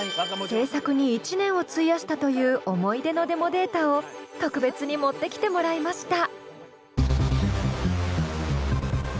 制作に１年を費やしたという思い出のデモデータを特別に持ってきてもらいました。